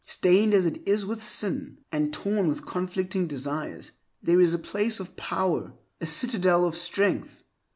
stained as it is with sin, and torn with conflicting desires, there is a place of power, a citadel of strength.